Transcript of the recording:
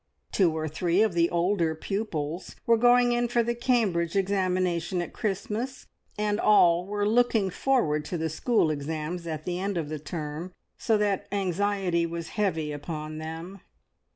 Two or three of the older pupils were going in for the Cambridge Examination at Christmas, and all were looking forward to the school exams at the end of the term, so that anxiety was heavy upon them.